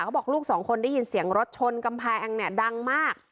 บอกลูกสองคนได้ยินเสียงรถชนกำแพงเนี่ยดังมาก